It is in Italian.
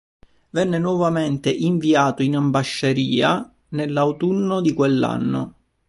Venne nuovamente inviato in ambasceria nell'autunno di quell'anno.